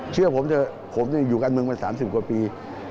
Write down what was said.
เชื่อผมเถอะผมอยู่การเมืองมา๓๐กว่าปี